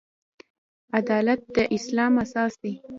عدالت د اسلام اساس دی